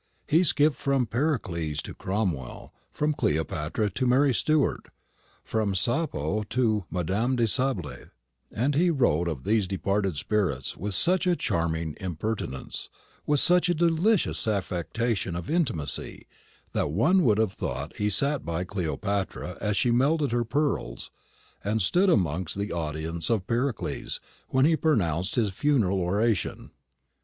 He skipped from Pericles to Cromwell, from Cleopatra to Mary Stuart, from Sappho to Madame de Sablé; and he wrote of these departed spirits with such a charming impertinence, with such a delicious affectation of intimacy, that one would have thought he had sat by Cleopatra as she melted her pearls, and stood amongst the audience of Pericles when he pronounced his funeral oration.